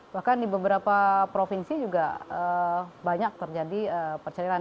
bahkan di beberapa provinsi juga banyak terjadi perceliran